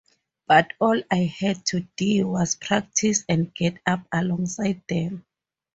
But all I had to dee was practice and get up alongside them.